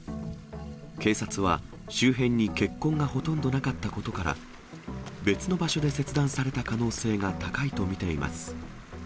警察は、周辺に血痕がほとんどなかったことから、別の場所で切断された可能性が高いと見ています。